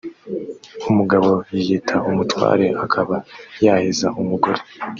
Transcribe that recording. umugabo yiyita umutware akaba yaheza umugore